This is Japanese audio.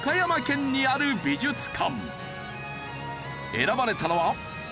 選ばれたのは。